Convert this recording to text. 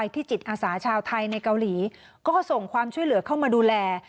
จิตอาสาชาวไทยในเกาหลีก็ส่งความช่วยเหลือเข้ามาดูแล